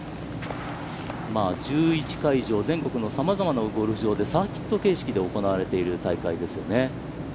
１１会場、全国のさまざまなゴルフ場でサーキット形式で行われている大会です。